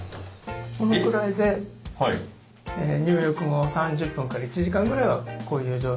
このくらいで入浴後３０分から１時間ぐらいはこういう状態を保って頂いて。